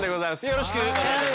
よろしくお願いします。